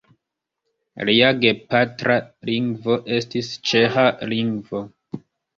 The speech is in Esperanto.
Lia gepatra lingvo estis ĉeĥa lingvo.